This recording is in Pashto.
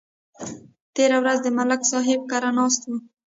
تېره ورځ د ملک صاحب کره ناست وو